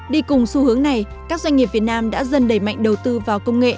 đi cùng xu hướng này các doanh nghiệp việt nam đã dần đẩy mạnh đầu tư vào công nghệ